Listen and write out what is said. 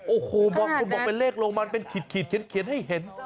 โอ้โหบางคนบอกเป็นเลขโรงมันเป็นขีดเขียนให้เห็น